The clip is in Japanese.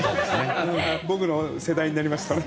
僕の世代になりますとね。